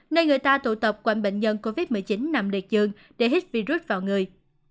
nơi người ta tụ tập quanh bệnh nhân covid một mươi chín nằm đầy chươn để hít virus vào người